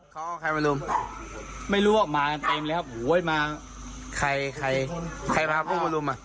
เขาก็เอาใครมารัมไม่รู้อะมาเต็มเลยครับโว้ยมา